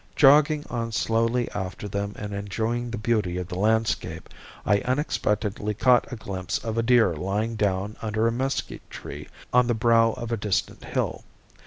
Jogging on slowly after them and enjoying the beauty of the landscape, I unexpectedly caught a glimpse of a deer lying down under a mesquite tree on the brow of a distant hill.